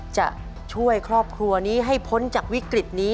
จะช่วยครอบครัวนี้ให้พ้นจากวิกฤตนี้